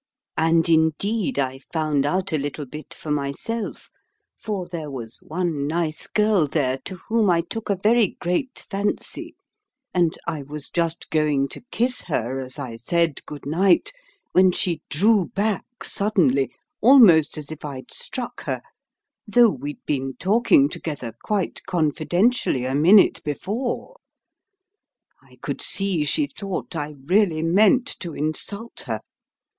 And, indeed, I found out a little bit for myself; for there was one nice girl there, to whom I took a very great fancy; and I was just going to kiss her as I said good night, when she drew back suddenly, almost as if I'd struck her, though we'd been talking together quite confidentially a minute before. I could see she thought I really meant to insult her.